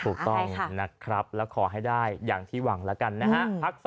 ถูกต้องนะครับแล้วขอให้ได้อย่างที่หวังแล้วกันนะฮะ